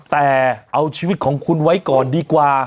แต่เอาชีวิตของคุณไว้ก่อนดีกว่า